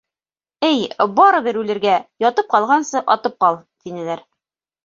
— Эй, барыбер үлергә, ятып ҡалғансы, атып ҡал, — тинеләр.